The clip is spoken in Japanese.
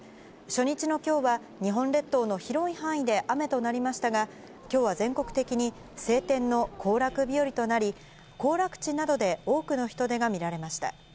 初日のきょうは、日本列島の広い範囲で雨となりましたが、きょうは全国的に晴天の行楽日和となり、行楽地などで多くの人出が見られました。